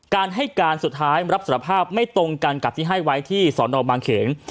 การให้การสุดท้ายรับสารภาพไม่ตรงกันกับที่ให้ไว้ที่สอนอบางเขน